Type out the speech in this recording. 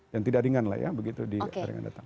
yang tidak ringan lah ya begitu di ringan datang